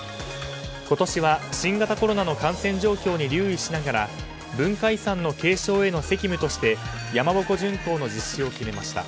今年は新型コロナの感染状況に留意しながら文化遺産の継承への責務として山鉾巡行の実施を決めました。